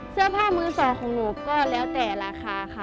เสื้อผ้ามือสองของหนูก็แล้วแต่ราคาค่ะ